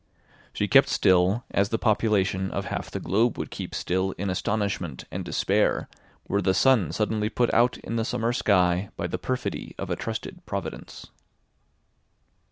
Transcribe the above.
She kept still as the population of half the globe would keep still in astonishment and despair, were the sun suddenly put out in the summer sky by the perfidy of a trusted providence.